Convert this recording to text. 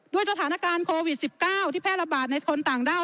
ด้วยสถานการณ์โควิด๑๙ที่แพร่ระบาดในคนต่างด้าว